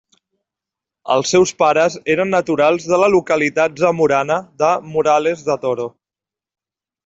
Els seus pares eren naturals de la localitat zamorana de Morales de Toro.